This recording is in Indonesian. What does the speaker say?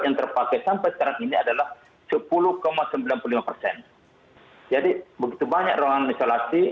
jangan sampai akhirnya nyeremon bingung bukan jakie ber shakti